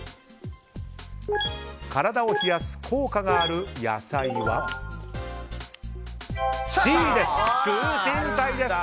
体を冷やす効果がある野菜はＣの空心菜です。